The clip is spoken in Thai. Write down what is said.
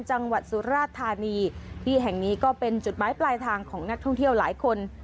จังหวัดสุราธานีที่แห่งนี้ก็เป็นจุดหมายปลายทางของนักท่องเที่ยวหลายคน